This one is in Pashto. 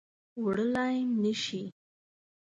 وړلای نه شي